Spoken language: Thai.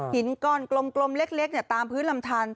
หินก้อนกลมเล็กตามพื้นลำทาน